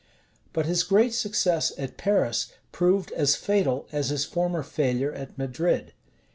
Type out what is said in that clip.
But his great success at Paris proved as fatal as his former failure at Madrid.